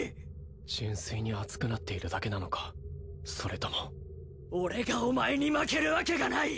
純粋に熱くなっているだけなのかそれとも俺がお前に負けるわけがない！